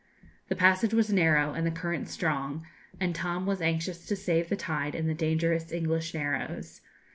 The passage was narrow, and the current strong, and Tom was anxious to save the tide in the dangerous English Narrows.